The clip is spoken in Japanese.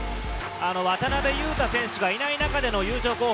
渡邊雄太選手がいない中での優勝候補